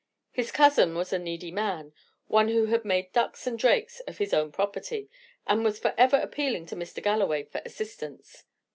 His cousin was a needy man one who had made ducks and drakes of his own property, and was for ever appealing to Mr. Galloway for assistance.